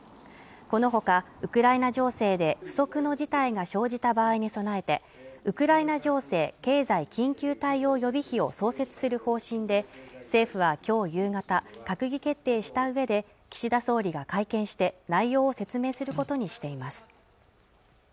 このほかウクライナ情勢で不測の事態が生じた場合に備えてウクライナ情勢経済緊急対応予備費を創設する方針で政府はきょう夕方閣議決定した上で岸田総理が会見して内容を説明することにしています